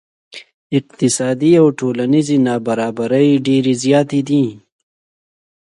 اقتصادي او ټولنیزې نا برابرۍ ډیرې زیاتې دي.